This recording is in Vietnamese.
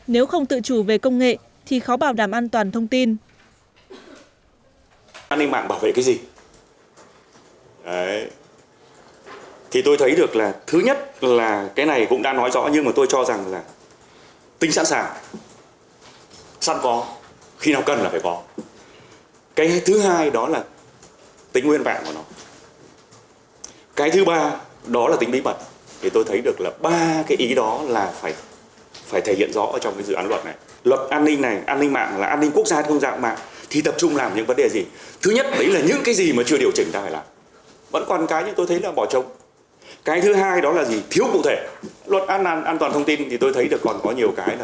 nếu không tự chủ về công nghệ thì khó bảo đảm an toàn thông tin